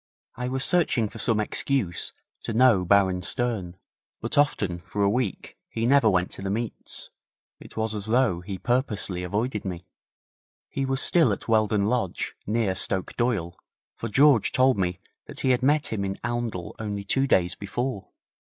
I was searching for some excuse to know Baron Stern, but often for a week he never went to the meets. It was as though he purposely avoided me. He was still at Weldon Lodge, near Stoke Doyle, for George told me that he had met him in Oundle only two days before.